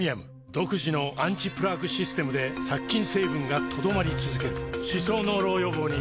独自のアンチプラークシステムで殺菌成分が留まり続ける歯槽膿漏予防にプレミアム